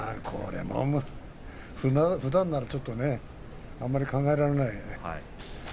ふだんならちょっとねあまり考えられない。